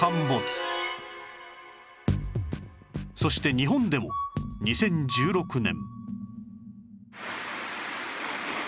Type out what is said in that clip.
そして日本でも２０１６年